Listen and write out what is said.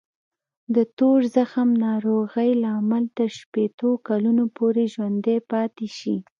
د تور زخم ناروغۍ لامل تر شپېتو کلونو پورې ژوندی پاتې شي.